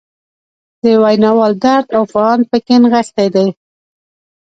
د ویناوال درد او فعان پکې نغښتی دی.